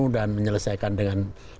dan menyelesaikan dengan